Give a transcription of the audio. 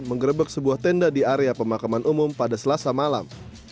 mengerebek sebuah tenda di area pemakaman umum pada selasa malam